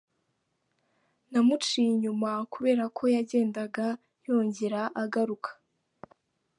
Namuciye inyuma kubera ko yagendaga yongera agaruka”.